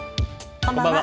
こんばんは。